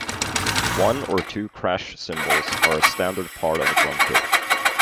One or two crash cymbals are a standard part of a drum kit.